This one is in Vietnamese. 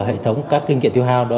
hệ thống các kinh nghiệm tiêu hao